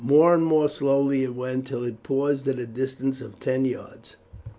More and more slowly it went, till it paused at a distance of some ten yards.